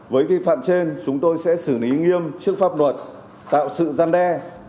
với vi phạm trên chúng tôi sẽ xử lý nghiêm trước pháp luật tạo sự gian đe